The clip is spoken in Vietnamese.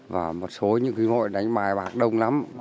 và một số những cái ngội đánh bạc đông lắm